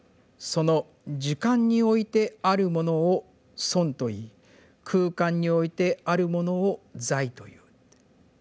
その時間においてあるものを存といい空間においてあるものを在という」。